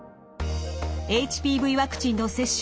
ＨＰＶワクチンの接種